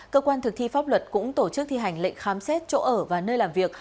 cơ quan thực thi pháp luật cũng tổ chức thi hành lệnh khám xét chỗ ở và nơi làm việc